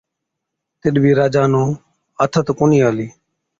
تِڏ بِي راجا نُون آٿت ڪونهِي آلِي۔